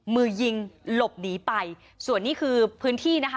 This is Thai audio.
มือยิงหลบหนีไปส่วนนี้คือพื้นที่นะคะ